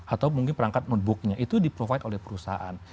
atau mungkin perangkat notbooknya itu di provide oleh perusahaan